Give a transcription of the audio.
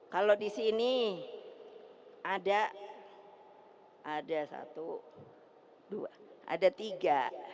kalau di sini ada ada satu dua ada tiga